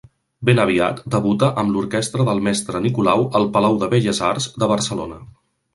Ben aviat debuta amb l'orquestra del Mestre Nicolau al Palau de Belles Arts de Barcelona.